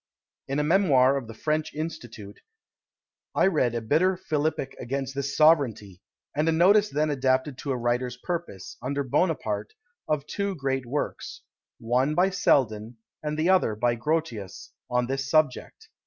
In a memoir of the French Institute, I read a bitter philippic against this sovereignty, and a notice then adapted to a writer's purpose, under Bonaparte, of two great works: the one by Selden, and the other by Grotius, on this subject.